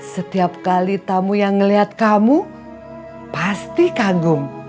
setiap kali tamu yang melihat kamu pasti kagum